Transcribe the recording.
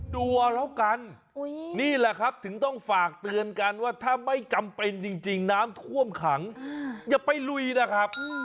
ดูเอาแล้วกันนี่แหละครับถึงต้องฝากเตือนกันว่าถ้าไม่จำเป็นจริงน้ำท่วมขังอย่าไปลุยนะครับ